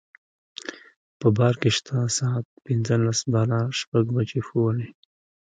په بار کې شته ساعت پنځلس بالا شپږ بجې ښوولې.